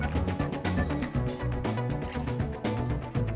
penampilan dan pembantu